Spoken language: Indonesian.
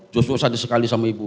joso sadis sekali sama ibu